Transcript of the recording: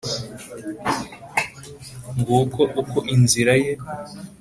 Nguko uko inzira ye